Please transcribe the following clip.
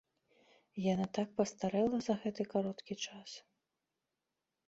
Яна так пастарэла за гэты кароткі час!